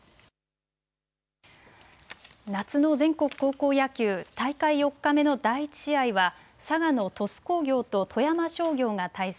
夏の全国高校野球大会４日目の第１試合は佐賀の鳥栖工業と富山商業が対戦。